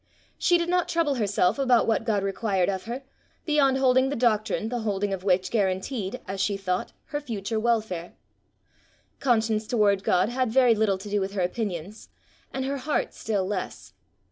She did not trouble herself about what God required of her, beyond holding the doctrine the holding of which guaranteed, as she thought, her future welfare. Conscience toward God had very little to do with her opinions, and her heart still less.